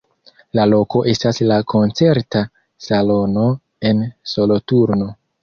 La loko estas la koncerta salono en Soloturno.